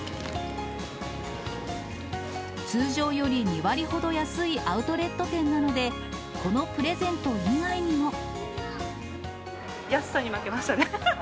通常より２割ほど安いアウトレット店なので、安さに負けましたね。